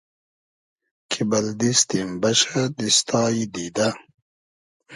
کی بئل دیستیم بئشۂ دیستای دیدۂ